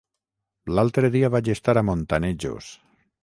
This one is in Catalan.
L'altre dia vaig estar a Montanejos.